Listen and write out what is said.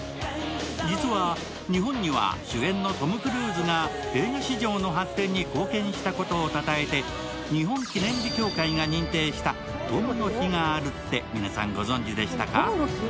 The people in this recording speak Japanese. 実は日本には主演のトム・クルーズが映画市場の発展に貢献したことをたたえて日本記念日協会が認定したトムの日があるって皆さんご存じでしたか？